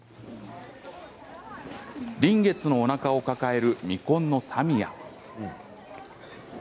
臨月のおなかを抱える未婚のサミア。